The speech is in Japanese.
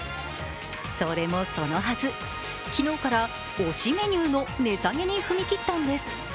それもそのはず、昨日から推しメニューの値下げに踏み切ったんです。